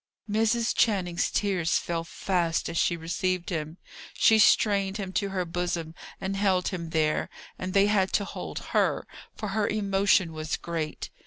Mrs. Channing's tears fell fast as she received him. She strained him to her bosom, and held him there; and they had to hold her, for her emotion was great.